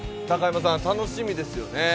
高山さん、楽しみですよね。